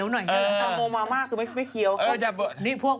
อย่างเนี่ยแล้วก็